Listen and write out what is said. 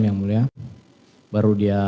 yang mulia baru dia